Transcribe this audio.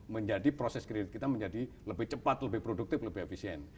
menjadi proses kredit kita menjadi lebih cepat lebih produktif lebih efisien